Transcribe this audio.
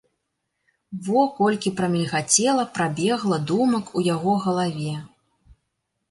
Во колькі прамільгацела, прабегла думак у яго галаве.